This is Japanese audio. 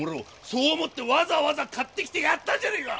そう思ってわざわざ買ってきてやったんじゃねえか！